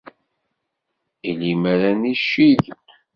I limer ad niccig!